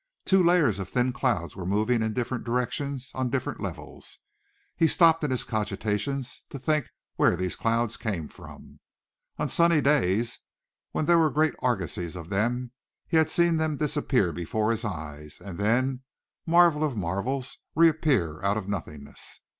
Two layers of thin clouds were moving in different directions on different levels. He stopped in his cogitations to think where these clouds came from. On sunny days when there were great argosies of them he had seen them disappear before his eyes, and then, marvel of marvels, reappear out of nothingness.